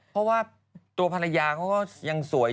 เพราะว่าตัวภรรยาเขาก็ยังสวย